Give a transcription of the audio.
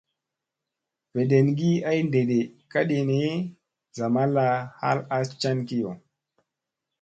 Veɗengi ay ɗeɗee kaɗi ni, zamalla hal a can kiyo.